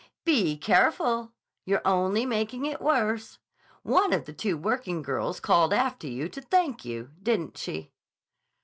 "Be careful! You're only making it worse. One of the two working girls called after you to thank you, didn't she?"